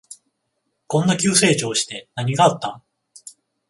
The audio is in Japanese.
こんな急成長して何があった？